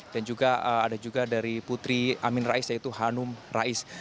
dan juga ada juga dari putri amin rais yaitu hanum rais